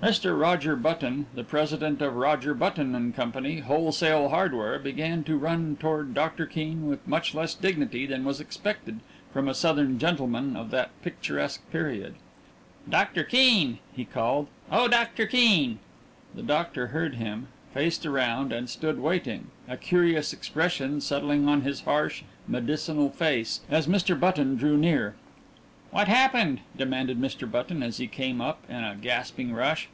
Mr. Roger Button, the president of Roger Button & Co., Wholesale Hardware, began to run toward Doctor Keene with much less dignity than was expected from a Southern gentleman of that picturesque period. "Doctor Keene!" he called. "Oh, Doctor Keene!" The doctor heard him, faced around, and stood waiting, a curious expression settling on his harsh, medicinal face as Mr. Button drew near. "What happened?" demanded Mr. Button, as he came up in a gasping rush.